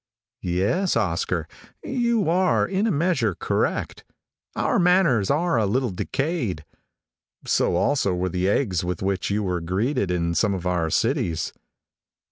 Yes, Oscar, you are, in a measure, correct. Our manners are a little decayed. So also were the eggs with which you were greeted in some of our cities.